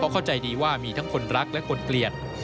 เข้าใจดีว่ามีทั้งคนรักและคนเกลียด